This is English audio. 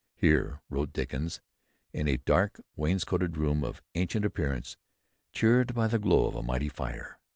"Here," wrote Dickens, "in a dark wainscoted room of ancient appearance, cheered by the glow of a mighty fire